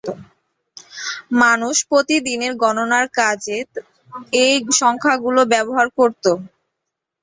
মানুষ প্রতিদিনের গণনার কাজে এই সংখ্যাগুলো ব্যবহার করতো।